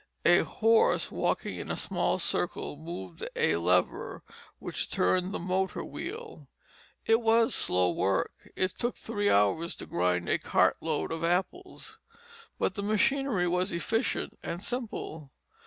A horse walking in a small circle moved a lever which turned the motor wheel. It was slow work; it took three hours to grind a cart load of apples; but the machinery was efficient and simple.